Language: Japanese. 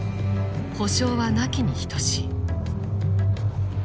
補償はなきに等しい。